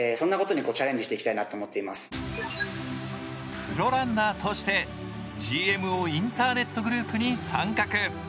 プロランナーとしてＧＭＯインターネットグループに参画。